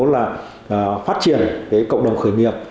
là phát triển cộng đồng khởi nghiệp